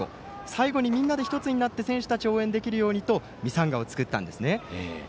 最後にみんなで１つになって選手たちを応援できるように作ったんですね。